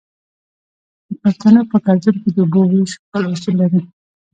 د پښتنو په کلتور کې د اوبو ویش خپل اصول لري.